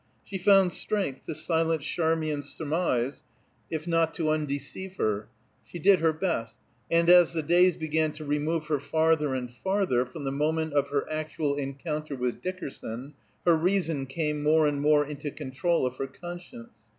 She found strength to silence Charmian's surmise, if not to undeceive her; she did her best; and as the days began to remove her farther and farther from the moment of her actual encounter with Dickerson, her reason came more and more into control of her conscience.